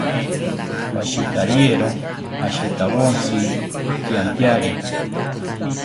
Pashitariero ashitawontzi ikiantyari